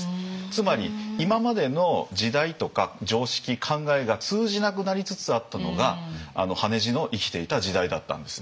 つまり今までの時代とか常識考えが通じなくなりつつあったのが羽地の生きていた時代だったんですね。